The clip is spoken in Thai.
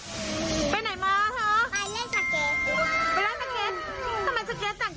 ไปไหนมาเถอะไปเล่นสังเกต